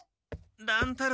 ・乱太郎。